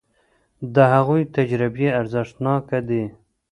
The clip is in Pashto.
د هغوی تجربې ارزښتناکه دي.